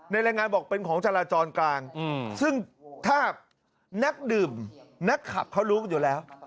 รายงานบอกเป็นของจราจรกลางซึ่งถ้านักดื่มนักขับเขารู้กันอยู่แล้ว